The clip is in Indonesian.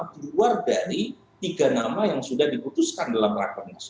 di luar dari tiga nama yang sudah diputuskan dalam rekonans